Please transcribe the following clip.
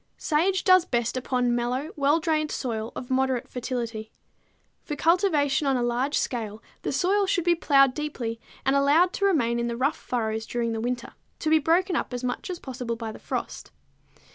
_ Sage does best upon mellow well drained soil of moderate fertility. For cultivation on a large scale the soil should be plowed deeply and allowed to remain in the rough furrows during the winter, to be broken up as much as possible by the frost.